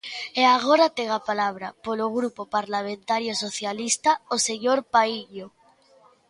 E agora ten a palabra, polo Grupo Parlamentario Socialista, o señor Paíño.